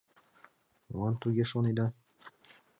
— Молан туге шонеда?